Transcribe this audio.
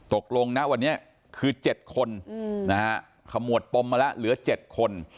ตกลงนะวันนี้คือ๗คนนะครับขมวดกลองมาละเหลือ๗คน